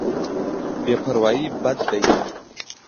بې پروايي بد دی.